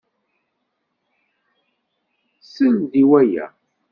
Sel-d i waya!